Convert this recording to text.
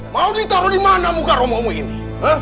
mau ditaruh dimana muka romo ini